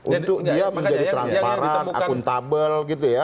untuk menjadi transparan akuntabel